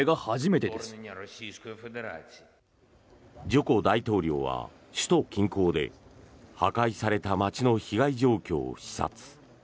ジョコ大統領は首都近郊で破壊された街の被害状況を視察。